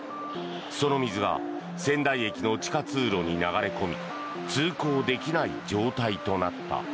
その水が仙台駅の地下通路に流れ込み通行できない状態となった。